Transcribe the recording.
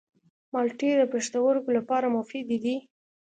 مالټې د پښتورګو لپاره مفیدې دي.